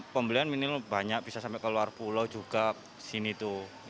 pembelian minimal banyak bisa sampai ke luar pulau juga disini tuh